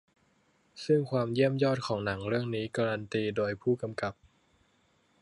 ซึ่งความยอดเยี่ยมของหนังเรื่องนี้การันตีโดยผู้กำกับ